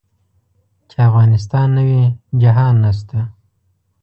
چې افغانستان نه وي جهان نشته.